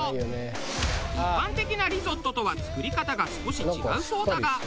一般的なリゾットとは作り方が少し違うそうだが。